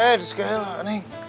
eh segelah nek